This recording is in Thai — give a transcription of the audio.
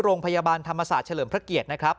โรงพยาบาลธรรมศาสตร์เฉลิมพระเกียรตินะครับ